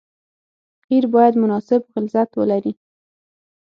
قیر باید مناسب غلظت ولري